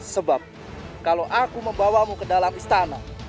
sebab kalau aku membawamu ke dalam istana